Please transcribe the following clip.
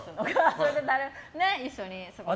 それで一緒に過ごしたね。